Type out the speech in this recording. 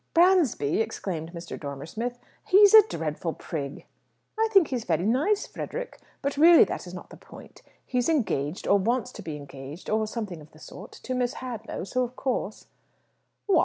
"Bransby!" exclaimed Mr. Dormer Smith. "He's a dreadful prig." "I think he's very nice, Frederick. But really that is not the point. He's engaged, or wants to be engaged, or something of the sort, to Miss Hadlow, so of course " "What?